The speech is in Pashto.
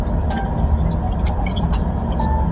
د يوسف عليه السلام او يعقوب عليه السلام صبر د ستايلو دي.